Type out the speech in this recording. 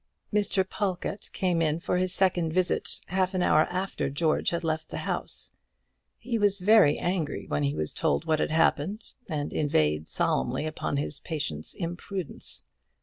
Mr. Pawlkatt came in for his second visit half an hour after George had left the house. He was very angry when he was told what had happened, and inveighed solemnly upon his patient's imprudence.